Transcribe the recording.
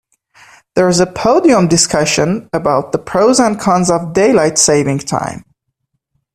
There's a podium discussion about the pros and cons of daylight saving time.